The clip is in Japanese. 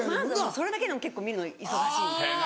それだけでも結構見るの忙しいみたいな。